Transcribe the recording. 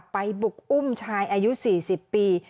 ไปบุกอุ้มชายอายุ๔๐ปี